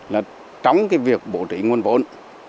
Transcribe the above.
là trong cái việc bố trí nguồn vốn